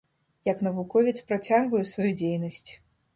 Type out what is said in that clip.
Як навуковец працягваю сваю дзейнасць.